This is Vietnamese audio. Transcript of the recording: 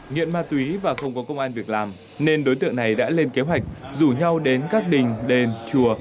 nghiện ma túy và không có công an việc làm nên đối tượng này đã lên kế hoạch rủ nhau đến các đình đền chùa